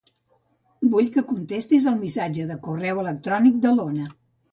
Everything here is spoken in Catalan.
Vull que contestis el missatge de correu electrònic de l'Ona.